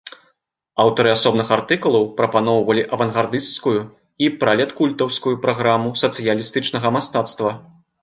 Аўтары асобных артыкулаў прапаноўвалі авангардысцкую і пралеткультаўскую праграму сацыялістычнага мастацтва.